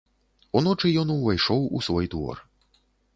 Уночы ён увайшоў у свой двор.